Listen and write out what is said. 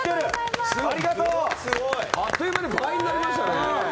あっという間に倍になりましたね。